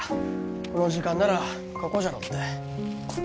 この時間ならここじゃろって。